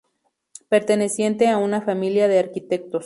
Perteneciente a una familia de arquitectos.